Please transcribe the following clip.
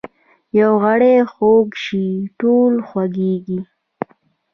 یو غړی خوږ شي ټول خوږیږي